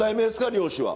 漁師は。